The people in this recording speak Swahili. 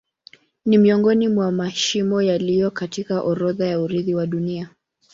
Ni miongoni mwa mashimo yaliyo katika orodha ya urithi wa Dunia.